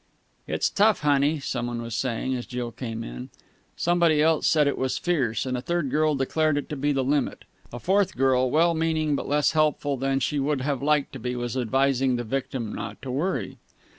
"It's tough, honey!" somebody was saying as Jill came in. Somebody else said it was fierce, and a third girl declared it to be the limit. A fourth girl, well meaning but less helpful than she would have liked to be, was advising the victim not to worry.